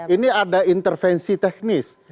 ini ada intervensi teknis